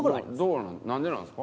なんでなんですか？